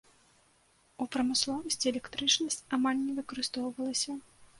У прамысловасці электрычнасць амаль не выкарыстоўвалася.